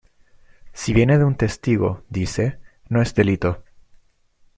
Si viene de un testigo, dice, no es delito.